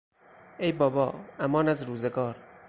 ای بابا!، امان از روزگار!